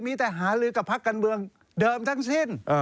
มีแต่หาลือกับพักการเมืองเดิมทั้งสิ้น